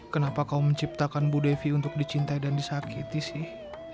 kenapa kau menciptakan bu devi untuk dicintai dan disakiti sih